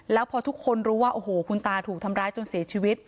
แล้วพอทุกคนรู้ว่าโอ้โหคุณตาถูกทำร้ายจนเสียชีวิต